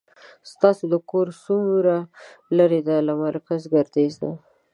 ستاسو کور څومره لری ده له مرکز ګردیز نه